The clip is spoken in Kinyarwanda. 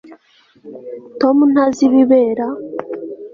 Tom ntazi ibibera